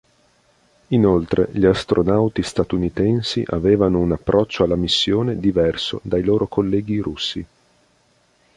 Inoltre gli astronauti statunitensi avevano un approccio alla missione diverso dai loro colleghi russi.